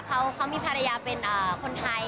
เขามีภรรยาเป็นคนไทย